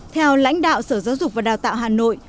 theo lãnh đạo sở giáo dục và đào tạo hà nội